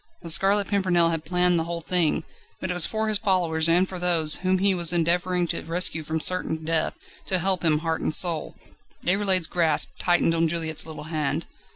The Scarlet Pimpernel had planned the whole thing, but it was for his followers and for those, whom he was endeavouring to rescue from certain death, to help him heart and soul. Déroulède's grasp tightened on Juliette's little hand.